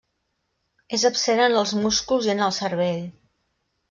És absent en els músculs i en el cervell.